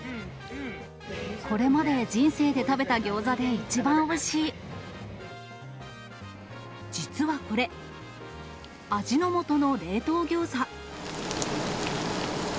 これまで人生で食べたギョー実はこれ、味の素の冷凍ギョーザ。